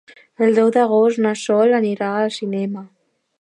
El deu d'agost na Sol anirà al cinema.